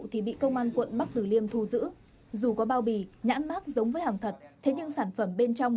thì bị công an quận bắc tử liêm thu giữ dù có bao bì nhãn mát giống với hàng thật thế nhưng sản phẩm bên trong